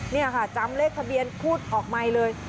นี่ค่ะจำเลขทะเบียนพูดออกไมค์เลย